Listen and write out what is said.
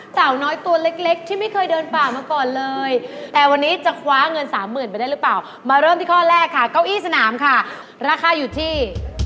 สาวน้อยตัวเล็กเล็กที่ไม่เคยเดินป่ามาก่อนเลยแต่วันนี้จะคว้าเงินสามหมื่นไปได้หรือเปล่ามาเริ่มที่ข้อแรกค่ะเก้าอี้สนามค่ะราคาอยู่ที่